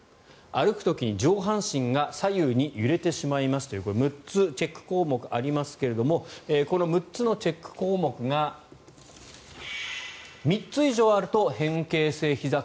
歩く時に上半身が左右に揺れてしまいますと６つ、チェック項目がありますがこの６つのチェック項目が３つ以上あると変形性ひざ